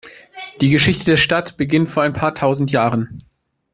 Die Geschichte der Stadt beginnt vor ein paar tausend Jahren.